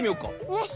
よし。